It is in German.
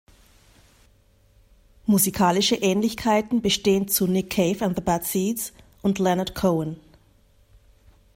Musikalische Ähnlichkeiten bestehen zu Nick Cave and the Bad Seeds und Leonard Cohen.